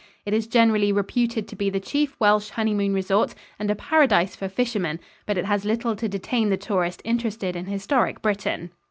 It is generally reputed to be the chief Welsh honeymoon resort and a paradise for fishermen, but it has little to detain the tourist interested in historic Britain.